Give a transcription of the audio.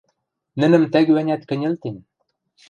Нӹнӹм тӓгӱ-ӓнят кӹньӹлтен.